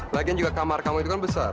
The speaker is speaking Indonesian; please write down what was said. lagian juga kamar kamar itu kan besar